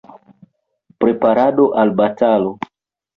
Preparado al batalo.